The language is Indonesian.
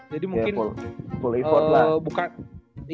jadi mungkin full effort lah